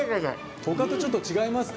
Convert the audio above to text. ほかとちょっと違いますか？